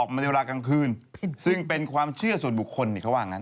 มาในเวลากลางคืนซึ่งเป็นความเชื่อส่วนบุคคลนี่เขาว่างั้น